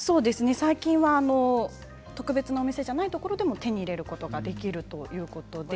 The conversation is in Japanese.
最近は特別なお店じゃないところでも手に入れることができるということです。